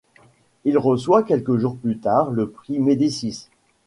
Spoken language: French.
Il reçoit quelques jours plus tard le prix Médicis.